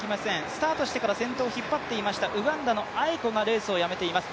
スタートしてから先頭を引っ張っていましたウガンダのアエコがレースをやめています